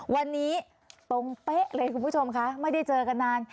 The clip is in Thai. วันนี้ตรงเป๊ะเลยคุณผู้ชมคะไม่ได้เจอกันนาน